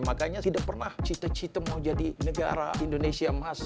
makanya tidak pernah cita cita mau jadi negara indonesia emas